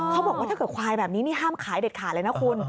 เขาบอกว่าถ้าเกิดควายแบบนี้นี่ห้ามขายเด็ดขาดเลยนะคุณ